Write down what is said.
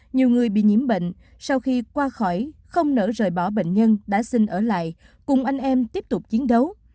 nhiều người bị nhiễm bệnh sau khi qua khỏi không nở rời bỏ bệnh nhân đã xin ở lại cùng anh em tiếp tục chiến đấu